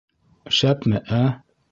Шәпме, ә?!.